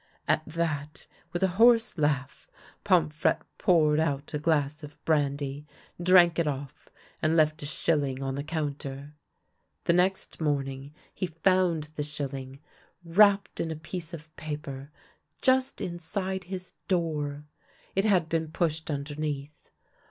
At that, with a hoarse laugh, Pomfrette poured out a glass of brandy, drank it off, and left a shilling on the counter. The next morning he found the shilling, wrapped in a piece no THE LANE THAT HAD NO TURNING of paper, just inside his door; it had been pushed underneath.